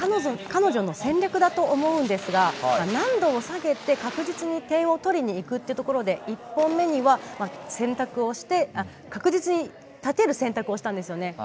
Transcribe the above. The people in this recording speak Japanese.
彼女の戦略だと思うんですが難度を下げて確実に点を取りにいくというところで１本目には確実に勝てる選択をしたんですよね。